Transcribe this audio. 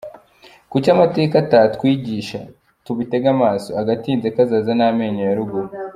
Kuki amateka atatwigisha? Tubitege amaso, agatinze kazaza ni amenyo ya ruguru.